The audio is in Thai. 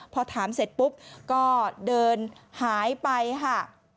พอถามเสร็จปุ๊บก็เดินหายไปค่ะ